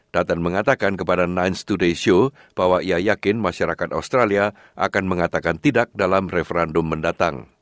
dutton mengatakan kepada sembilan to day show bahwa ia yakin masyarakat australia akan mengatakan tidak dalam referendum mendatang